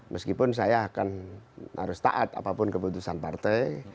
meskipun saya akan harus taat apapun keputusan partai